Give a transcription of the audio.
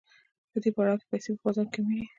په دې پړاو کې پیسې په بازار کې کمېږي